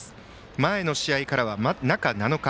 前の試合からは中７日。